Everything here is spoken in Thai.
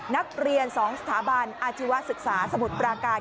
นักเรียน๒สถาบันอาชีวศึกษาสมุทรปราการ